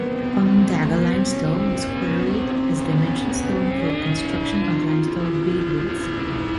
Onondaga limestone was quarried as dimension stone for construction of limestone buildings.